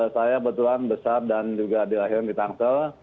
saya kebetulan besar dan juga dilahirkan di tangsel